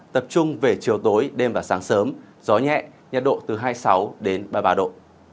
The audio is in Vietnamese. tập trung về chiều tối đêm và sáng sớm gió nhẹ nhiệt độ từ hai mươi sáu đến ba mươi ba độ